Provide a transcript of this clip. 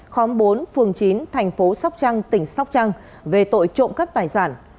khóm bốn phường chín thành phố sóc trăng tỉnh sóc trăng về tội trộm cắp tài sản